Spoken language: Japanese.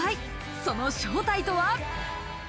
その正体とは？